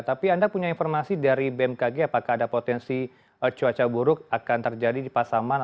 tapi anda punya informasi dari bmkg apakah ada potensi cuaca buruk akan terjadi di pasaman